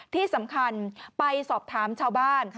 ที่สำคัญไปสอบถามชาวบ้าน